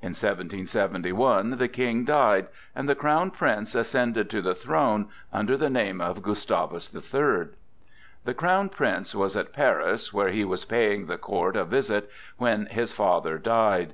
In 1771 the King died, and the Crown Prince ascended the throne under the name of Gustavus the Third. The Crown Prince was at Paris, where he was paying the court a visit, when his father died.